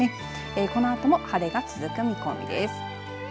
このあとも晴れが続く見込みです。